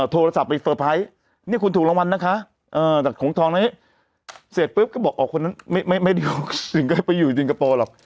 โทรศัพท์ไปเฝอไพรส์นี้คุณถูกรางวัลนะคะเออแต่หงทองนี้เสร็จปุ๊บก็บอกอ๋อคนนั้นไม่ไม่ไม่ไม่ได้ให้ไปอยู่จิงกะโปรหรอก